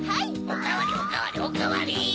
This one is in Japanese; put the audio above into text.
おかわりおかわりおかわり！